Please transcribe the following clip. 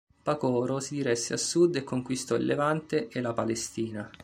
Pacoro si diresse a sud e conquistò il Levante e la Palestina.